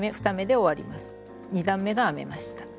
２段めが編めました。